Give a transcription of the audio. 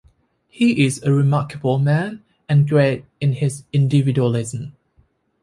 He is a remarkable man, and great in his individualisms.